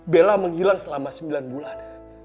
bella menghilang selama sembilan bulan